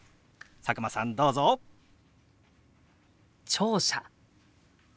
聴者。